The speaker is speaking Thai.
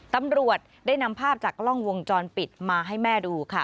ตำรวจได้นำภาพจากกล้องวงจรปิดมาให้แม่ดูค่ะ